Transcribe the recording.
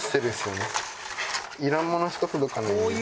ねいらんものしか届かない